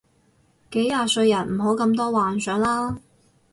幾廿歲人唔好咁多幻想啦